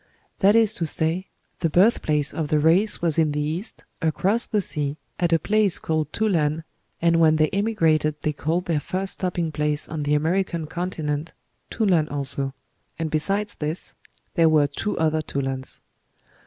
That is to say, the birthplace of the race was in the East, across the sea, at a place called Tulan and when they emigrated they called their first stopping place on the American continent Tulan also; and besides this there were two other Tulans.